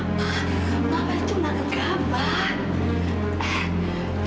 papa itu gak gegabat